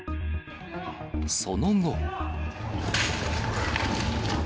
その後。